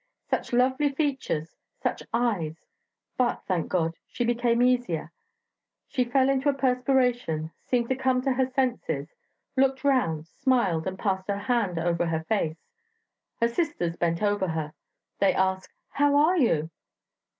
Such lovely features; such eyes!... But, thank God! she became easier; she fell into a perspiration, seemed to come to her senses, looked round, smiled, and passed her hand over her face... Her sisters bent over her. They ask, 'How are you?'